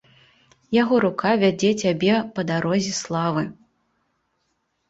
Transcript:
Яго рука вядзе цябе па дарозе славы.